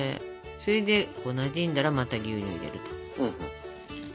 それでなじんだらまた牛乳を入れると。